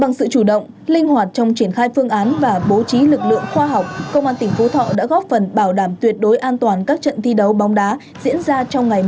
bằng sự chủ động linh hoạt trong triển khai phương án và bố trí lực lượng khoa học công an tỉnh phú thọ đã góp phần bảo đảm tuyệt đối an toàn các trận thi đấu bóng đá diễn ra trong ngày một mươi chín